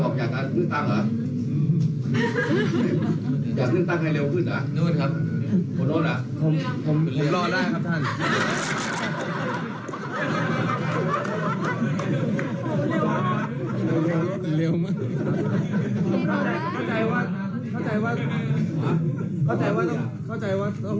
เข้าใจว่าต้องตามรถแหนบครับ